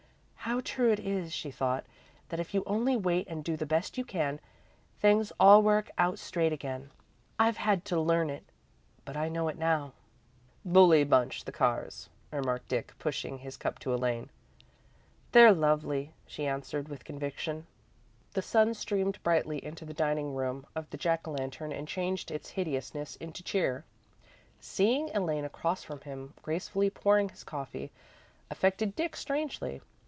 "How true it is," she thought, "that if you only wait and do the best you can, things all work out straight again. I've had to learn it, but I know it now." "Bully bunch, the Carrs," remarked Dick, pushing his cup to Elaine. "They're lovely," she answered, with conviction. The sun streamed brightly into the dining room of the Jack o' Lantern and changed its hideousness into cheer. Seeing Elaine across from him, gracefully pouring his coffee, affected Dick strangely.